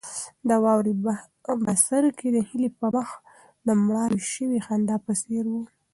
د واورې بڅرکي د هیلې پر مخ د مړاوې شوې خندا په څېر وو.